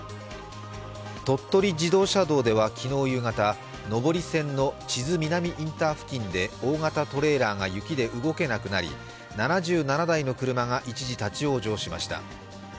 鳥取自動車道では昨日夕方、上り線の智頭南インター付近で大型トレーラーが雪で動けなくなり、７７台の車が一時、立往生しました。